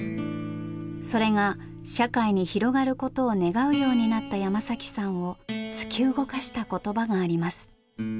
それが社会に広がることを願うようになった山さんを突き動かした言葉があります。